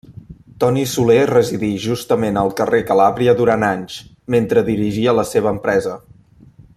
Toni Soler residí justament al carrer Calàbria durant anys, mentre dirigia la seva empresa.